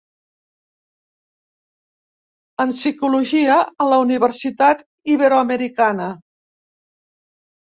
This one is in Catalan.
en Psicologia a la Universitat Iberoamericana.